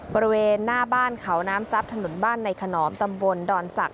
บริเวณหน้าบ้านเขาน้ำซับถนนบ้านในขนอมตำบลดอนศักดิ